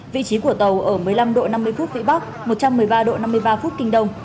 vị trí của tàu ở một mươi năm độ năm mươi phút vĩ bắc một trăm một mươi ba độ năm mươi ba phút kinh đồng